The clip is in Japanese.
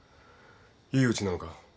いいうちなのか？